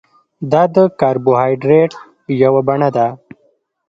دا د کاربوهایډریټ یوه بڼه ده